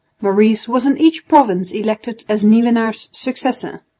Maurice was in each province elected as Nieuwenaar's successor.